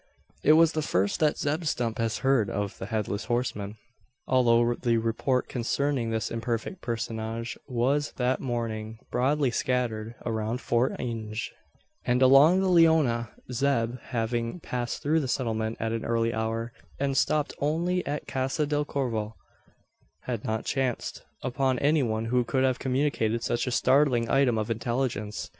It was the first that Zeb Stump had heard of the Headless Horseman. Although the report concerning this imperfect personage was that morning broadly scattered around Fort Inge, and along the Leona, Zeb, having passed through the settlement at an early hour, and stopped only at Casa del Corvo, had not chanced upon any one who could have communicated such a startling item of intelligence.